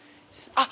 あっ